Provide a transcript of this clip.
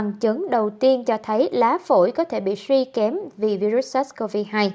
bằng chứng đầu tiên cho thấy lá phổi có thể bị suy kém vì virus sars cov hai